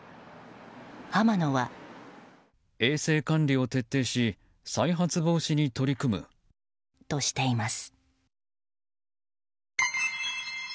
はま乃は。としています。